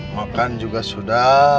makan juga sudah